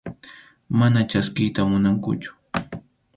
Mana chaskiyta munankuchu.